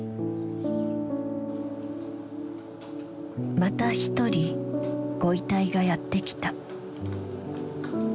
また一人ご遺体がやって来た。